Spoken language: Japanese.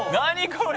これ！